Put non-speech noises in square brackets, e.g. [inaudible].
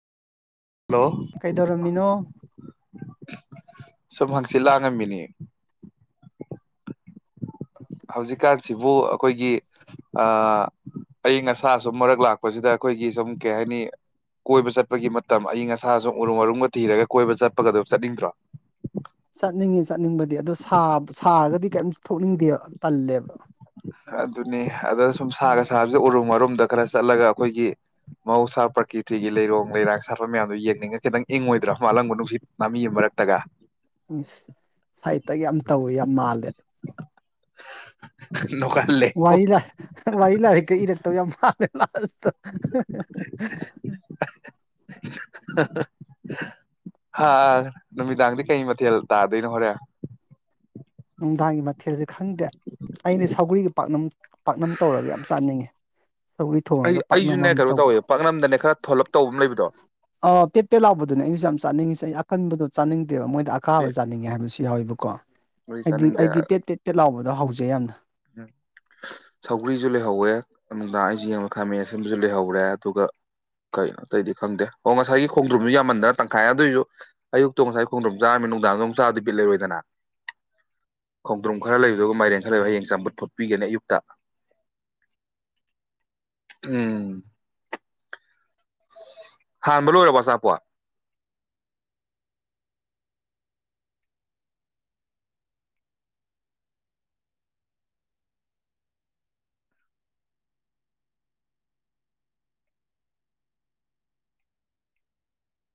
hello ꯀꯩꯗꯧꯔꯝꯃꯤꯅꯣ ꯁꯨꯝ ꯍꯪꯆꯤꯠ ꯂꯥꯡꯉꯝꯃꯤꯅꯤ ꯍꯧꯖꯤꯛꯀꯥꯟꯁꯤꯕꯨ ꯑꯩꯈꯣꯏꯒꯤ ꯑ ꯑꯏꯪ ꯑꯁꯥ ꯁꯨꯝ ꯃꯔꯛ ꯂꯥꯛꯄꯁꯤꯗ ꯑꯩꯈꯣꯏꯒꯤ ꯁꯨꯝ ꯀꯩ ꯍꯥꯏꯅꯤ ꯀꯣꯏꯕ ꯆꯠꯄꯒꯤ ꯃꯇꯝ ꯑꯩ ꯑꯁꯥꯁꯨ ꯎꯔꯨꯝ ꯎꯔꯨꯝꯒ ꯊꯤꯔꯒ ꯀꯣꯏꯕ ꯆꯠꯄꯒꯗꯣ ꯆꯠꯅꯤꯡꯗ꯭ꯔꯣ ꯆꯠꯅꯤꯡꯉꯦ ꯆꯠꯅꯤꯡꯕꯗꯤ ꯑꯗꯣ ꯁꯥꯔꯒꯗꯤ ꯀꯩꯝ ꯊꯣꯛꯅꯤꯡꯗꯦꯕ ꯇꯜꯂꯦꯕ ꯑꯗꯨꯅꯤ ꯑꯗ ꯁꯨꯝ ꯁꯥꯒ ꯁꯥꯕꯁꯦ ꯎꯔꯨꯝ ꯃꯔꯔꯨꯝꯗ ꯈꯔ ꯆꯠꯂꯒ ꯑꯩꯈꯣꯏꯒꯤ ꯃꯍꯧꯁꯥ ꯄ꯭ꯔꯀꯤꯇꯤꯒꯤ ꯂꯩꯔꯣꯡ ꯂꯩꯔꯥꯡ ꯁꯥꯠꯄ ꯃꯌꯥꯝꯗꯣ ꯌꯦꯡꯅꯤꯡꯉ ꯈꯤꯇꯪ ꯏꯪꯉꯣꯏꯗ꯭ꯔꯣ ꯃꯥꯜꯂꯝꯕ ꯅꯨꯡꯁꯤꯠ ꯃꯃꯤ ꯑꯃ ꯃꯔꯛꯇꯒ ꯎꯝ ꯁꯥꯏꯠꯇꯒꯤ ꯌꯥꯝ ꯇꯧꯋꯦ ꯌꯥꯝ ꯃꯥꯜꯂꯦ ꯅꯣꯡꯉꯥꯜꯂꯦ ꯋꯥꯔꯤ ꯂꯥꯏ ꯋꯥꯔꯤ ꯂꯥꯏꯔꯤꯛꯀ ꯏꯔꯛꯇꯕ ꯌꯥꯝ ꯄꯥꯜꯂꯦ ꯂꯥꯁꯥꯁꯇꯣ [unintelligible] ꯍꯥ ꯅꯨꯃꯤꯗꯥꯡꯗꯤ ꯀꯩ ꯃꯊꯦꯜ ꯇꯥꯗꯣꯏꯅꯣ ꯍꯣꯔꯦꯟ ꯅꯨꯡꯗꯥꯡꯒꯤ ꯃꯊꯦꯜꯁꯦ ꯈꯪꯗꯦ ꯑꯩꯅ ꯁꯧꯒꯔꯤꯒꯤ ꯄꯥꯛꯅꯝ ꯄꯥꯛꯅꯝ ꯇꯧꯔꯒ ꯌꯥꯝ ꯆꯥꯅꯤꯡꯉꯤ ꯑꯩ ꯑꯩꯁꯨꯅꯦ ꯀꯩꯅꯣ ꯇꯧꯋꯦ ꯄꯥꯛꯅꯝꯗꯅꯦ ꯈꯔ ꯊꯣꯂꯞ ꯇꯧꯕ ꯑꯃ ꯂꯩꯕꯗꯣ ꯑ ꯄꯦꯠꯄꯦ ꯂꯥꯎꯕꯗꯨꯅꯦ ꯑꯩꯩꯅꯁꯨ ꯌꯥꯝ ꯆꯥꯅꯤꯡꯉꯤꯁꯦ ꯈꯟꯕꯗꯣ ꯆꯥꯅꯤꯡꯗꯦꯕ ꯃꯣꯏꯗ ꯑꯀꯥꯕ ꯆꯥꯅꯤꯡꯉꯦ ꯍꯥꯏꯕꯁꯨ ꯌꯥꯎꯋꯦꯕꯀꯣ ꯑꯩ ꯍꯥꯏꯗꯤ ꯆꯥꯅꯤꯡꯗꯦ ꯑꯩꯗꯤ ꯄꯦꯠ ꯄꯦꯠ ꯄꯦꯠ ꯂꯥꯎꯕꯗꯣ ꯍꯧꯖꯩ ꯌꯥꯝꯅ ꯎꯝ ꯁꯧꯒ꯭ꯔꯤꯁꯨ ꯂꯩꯍꯧꯋꯦ ꯅꯨꯡꯗꯥꯡ ꯑꯩꯁꯨꯦ ꯌꯦꯡꯕ ꯈꯥꯃꯦ ꯁꯦꯝꯕꯁꯨ ꯂꯩꯍꯧꯔꯦ ꯑꯗꯨꯒ ꯀꯩ ꯀꯩꯗꯤ ꯈꯪꯗꯦ ꯑꯣ ꯉꯁꯥꯏꯒꯤ ꯈꯣꯡꯗ꯭ꯔꯨꯝꯁꯨ ꯌꯥꯝꯃꯟꯗꯅ ꯇꯪꯈꯥꯏ ꯑꯗꯨꯏꯁꯨ ꯑꯌꯨꯛꯇꯣ ꯉꯁꯥꯏ ꯈꯣꯡꯗ꯭ꯔꯨꯝ ꯆꯥꯔꯝꯃꯤ ꯅꯨꯡꯗꯥꯡꯗ ꯑꯃꯣꯛ ꯆꯥꯔꯗꯤ ꯕꯤꯠ ꯂꯩꯔꯣꯏꯗꯅ ꯈꯣꯡꯗ꯭ꯔꯨꯝ ꯈꯔ ꯂꯩꯕꯗꯨ ꯃꯥꯏꯔꯦꯟ ꯈꯔ ꯂꯩꯕ ꯍꯌꯦꯡ ꯆꯝꯄꯨꯠ ꯐꯨꯠꯄꯤꯒꯦꯅꯦ ꯑꯌꯨꯛꯇ ꯎꯝ ꯍꯥꯟꯕ ꯂꯣꯏꯔꯕꯣ ꯑꯆꯥꯄꯣꯠ